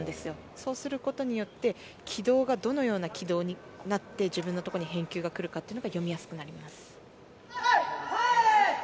そうすることによって軌道がどのような軌道になって自分のところに返球が来るかが読みやすくなります。